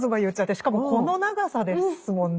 しかもこの長さですもんね。